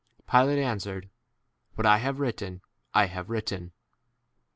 Pilate answered, What I 23 have written I have written.